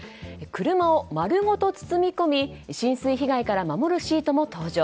車を丸ごと包み込み浸水被害から守るシートも登場。